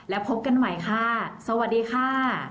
แล้วพบกันใหม่ค่ะสวัสดีค่ะ